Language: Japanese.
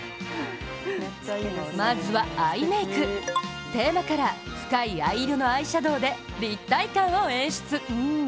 まずは、アイメーク、テーマカラー深い藍色のアイシャドウで立体感を演出。